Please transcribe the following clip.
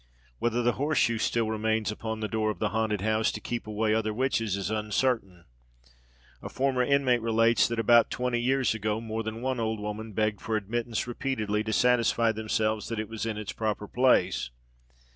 Whether the horse shoe still remains upon the door of the haunted house, to keep away other witches, is uncertain. A former inmate relates that, "about twenty years ago, more than one old woman begged for admittance repeatedly, to satisfy themselves that it was in its proper place.